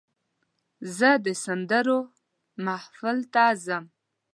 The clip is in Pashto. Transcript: زه د سندرو محفل ته ځم.